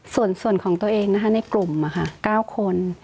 ส่วนของตัวเองนะคะในกลุ่มค่ะ๙คน